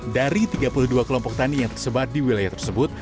dari tiga puluh dua kelompok tani yang tersebar di wilayah tersebut